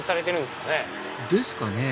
ですかね